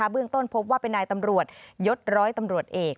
เบื้องต้นพบว่าเป็นนายตำรวจยศร้อยตำรวจเอก